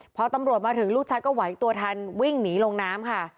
พอตำรวจมาถึงลูกชายก็ไหวตัวทันวิ่งหนีลงน้ำค่ะ